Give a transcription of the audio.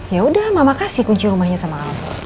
yaudah mama kasih kunci rumahnya sama al